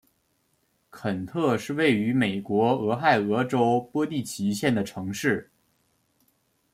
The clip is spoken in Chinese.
肯特是位于美国俄亥俄州波蒂奇县的城市。